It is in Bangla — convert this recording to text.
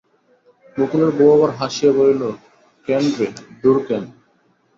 গোকুলের বউ আবার হাসিয়া বলিল, কেন রে, দূর কেন?